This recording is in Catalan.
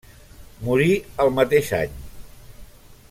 Morí al mateix any.